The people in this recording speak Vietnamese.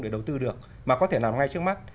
để đầu tư được mà có thể làm ngay trước mắt